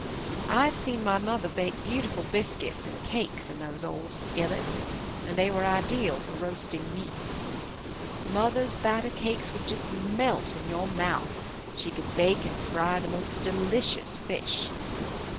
I have seen my mother bake beautiful biscuits and cakes in those old skillets, and they were ideal for roasting meats. Mother's batter cakes would just melt in your mouth and she could bake and fry the most delicious fish.